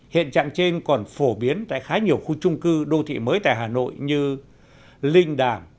hiện trạng trên còn phổ biến tại khá nhiều khu trung cư đô thị mới tại hà nội như linh đàm